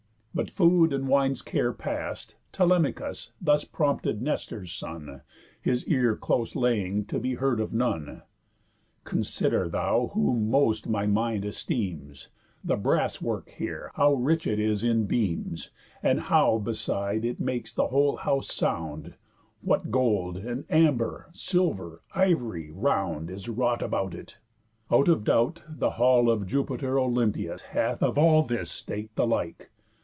But food and wine's care past, Telemachus thus prompted Nestor's son, (His ear close laying, to be heard of none): "Consider, thou whom most of my mind esteems, The brass work here, how rich it is in beams, And how, besides, it makes the whole house sound; What gold, and amber, silver, ivory, round Is wrought about it. Out of doubt, the hall Of Jupiter Olympius hath of all This state the like.